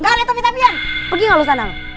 gak ada tapi tapian pergi gak lo sana lo